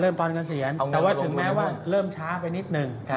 ตอนเกษียณแต่ว่าถึงแม้ว่าเริ่มช้าไปนิดหนึ่ง